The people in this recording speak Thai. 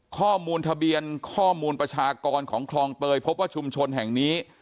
ข้อมูลทะเบียนข้อมูลประชากรของคลองเตยพบว่าชุมชนแห่งนี้